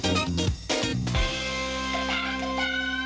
ขอบคุณครับ